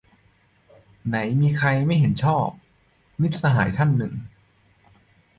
"ไหนมีใคร ไม่เห็นชอบ" - มิตรสหายท่านหนึ่ง